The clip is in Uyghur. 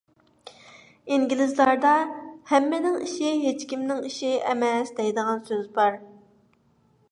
ئىنگلىزلاردا «ھەممىنىڭ ئىشى ھېچكىمنىڭ ئىشى» ئەمەس، دەيدىغان سۆز بار.